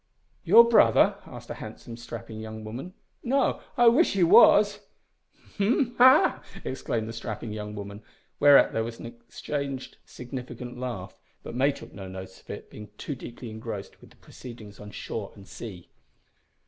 "Your brother?" asked a handsome, strapping young woman. "No I wish he was!" "Hm! ha!" exclaimed the strapping young woman whereat there was exchanged a significant laugh; but May took no notice of it, being too deeply engrossed with the proceedings on shore and sea.